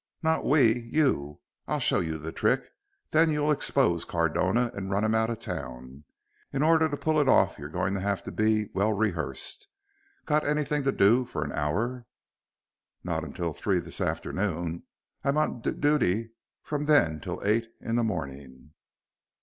"Not we, you. I'll show you the trick. Then you'll expose Cardona and run him out of town. In order to pull it off you're going to have to be well rehearsed. Got anything to do for an hour?" "Not till three this afternoon. I'm on d duty from then till eight in the morning."